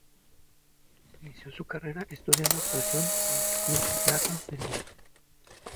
Inició su carrera estudiando actuación el Club de Teatro de Lima.